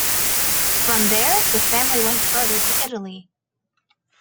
From there, the family went further to Italy.